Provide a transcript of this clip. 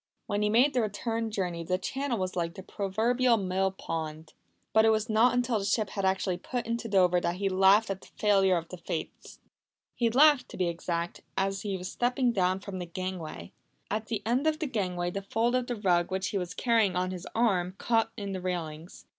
When he made the return journey the Channel was like the proverbial mill pond. But it was not until the ship had actually put into Dover that he laughed at the failure of the Fates to take the opportunity to drown him. He laughed, to be exact, as he was stepping down the gangway. At the end of the gangway the fold of the rug which he was carrying on his arm, caught in the railings.